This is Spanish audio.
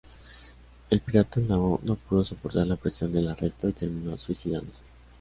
El pirata Nau no pudo soportar la presión del arresto y terminó suicidándose.